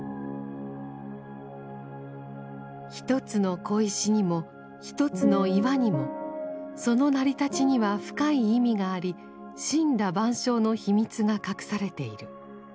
１つの小石にも１つの岩にもその成り立ちには深い意味があり森羅万象の秘密が隠されている。